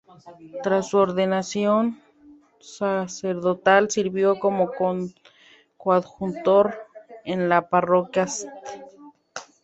Tras su ordenación sacerdotal sirvió como coadjutor en la parroquia St.